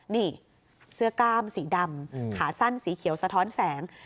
นี่เสื้อกล้ามสีดำขาสั้นสีเขียวสะท้อนแสง